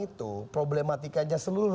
itu problematikanya seluruh